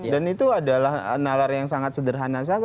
dan itu adalah nalar yang sangat sederhana